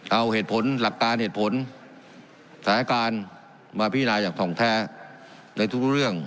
เอาเหตุผลหลักการเหตุผลสถานการณ์มาพินาอย่างทองแท้ในทุกเรื่อง